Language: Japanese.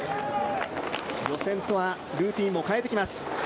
予選とはルーティンも変えてきます。